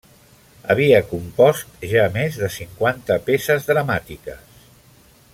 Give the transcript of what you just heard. Havia compost ja més de cinquanta peces dramàtiques.